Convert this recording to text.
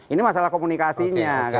ini masalah komunikasinya